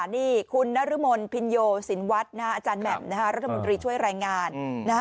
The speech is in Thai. นี่คุณนรมนพินโยสินวัฒน์อาจารย์แหม่มรัฐมนตรีช่วยรายงาน